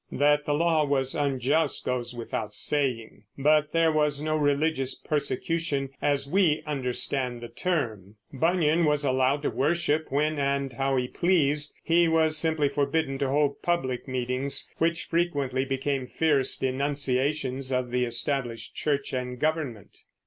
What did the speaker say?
That the law was unjust goes without saying; but there was no religious persecution, as we understand the term. Bunyan was allowed to worship when and how he pleased; he was simply forbidden to hold public meetings, which frequently became fierce denunciations of the Established Church and government.